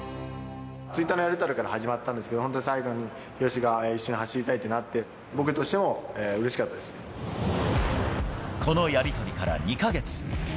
ツイッターのやり取りから始まったんですけど、本当に最後に日吉が一緒に走りたいってなって、このやり取りから２か月。